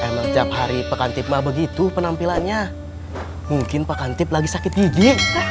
emang tiap hari pak kantipma begitu penampilannya mungkin pak kantip lagi sakit gigi